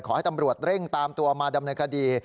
ขอให้ตำรวจเร่งตามตัวมาดำเนินคดี